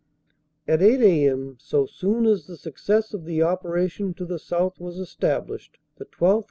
At 8 a.m., so soon as the success of the operation to the south was established, the 12th.